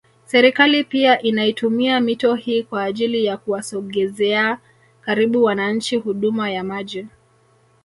Serikali pia inaitumia mito hii kwa ajili ya kuwasogezeaa karibu wananchi huduma ya maji